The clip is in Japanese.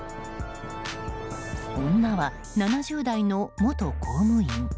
女は７０代の元公務員。